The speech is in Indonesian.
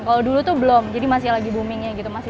kalau dulu tuh belum jadi masih lagi boomingnya gitu